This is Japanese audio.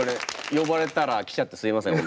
呼ばれたら来ちゃってすいません